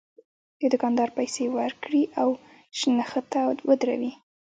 د دوکاندار پیسې ورکړي او شنخته ودروي.